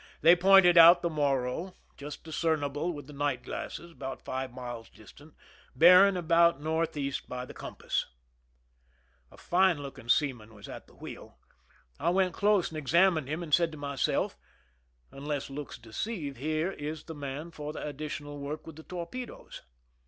They pointed out the Morro, just discernible with the night glasses, about five miles distant, bearing about northeast by the compass. A fine looking seaman was at the wheel. I went close and examined him, and said to myself :" Un less looks deceive, he is the man for the additional work with the torpedoes."